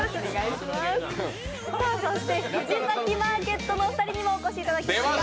そして、藤崎マーケットのお二人にもお越しいただきました。